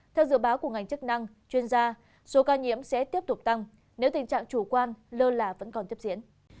theo dự báo của ngành chức năng chuyên gia số ca nhiễm sẽ tiếp tục tăng nếu tình trạng chủ quan lơ là vẫn còn tiếp diễn